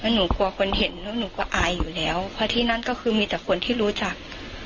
หนูกลัวคนเห็นแล้วหนูก็อายอยู่แล้วเพราะที่นั่นก็คือมีแต่คนที่รู้จัก